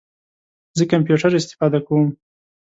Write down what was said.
زه کمپیوټر استفاده کوم